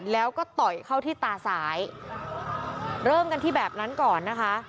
แล้วก็ต่อยเข้าที่ตาซ้ายเริ่มกันที่แบบนั้นก่อนนะคะ